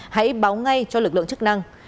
hãy báo ngay cho lực lượng chức năng